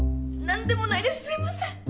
なんでもないですすみません！